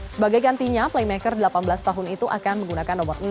sebagai gantinya playmaker delapan belas tahun itu akan menggunakan nomor enam